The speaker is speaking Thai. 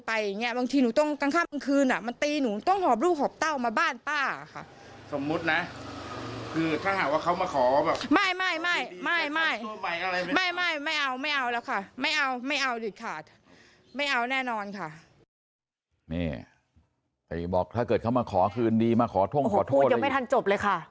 ไม่เอาแน่นอนค่ะนี่แต่บอกถ้าเกิดเขามาขอคืนดีมาขอท่วงขอโทษพูดยังไม่ทันจบเลยค่ะ